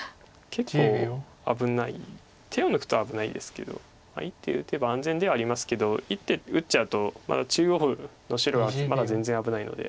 結構危ない手を抜くと危ないですけど１手打てば安全ではありますけど１手打っちゃうと中央の白はまだ全然危ないので。